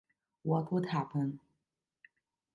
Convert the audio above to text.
What would happen?